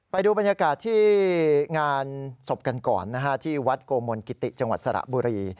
ไปดูบรรยากาศที่งานศพกันก่อนนะฮะที่วัดโกมนกิติจังหวัดสระบุรี